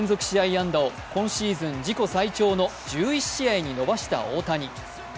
安打を今シーズン自己最長の１１試合に伸ばした大谷。